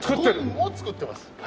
作ってます。